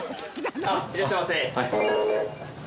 いらっしゃいませ。